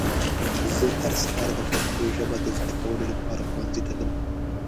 زه هر سهار د پښتو ژبه د ذده کولو لپاره ښونځي ته ځم.